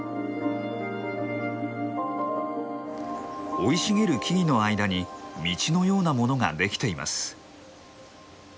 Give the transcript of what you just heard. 生い茂る木々の間に道のようなものができています。